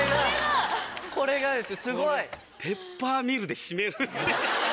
これがですよすごい。